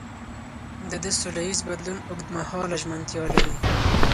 ده د سولهییز بدلون اوږدمهاله ژمنتیا لري.